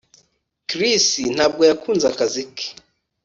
Chris ntabwo yakunze akazi ke